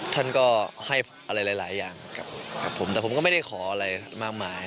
ท่านก็ให้อะไรหลายอย่างกับผมแต่ผมก็ไม่ได้ขออะไรมากมาย